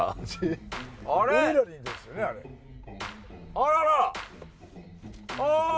あららあ！